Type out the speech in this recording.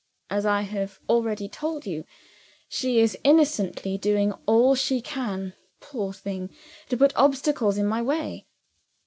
As I have already told you, she is innocently doing all she can, poor thing, to put obstacles in my way."